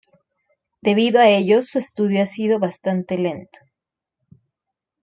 Debido a ello su estudio ha sido bastante lento.